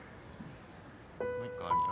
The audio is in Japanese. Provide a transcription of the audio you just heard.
もう一個あるよ。